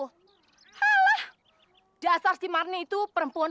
halah dasar si marne itu perempuan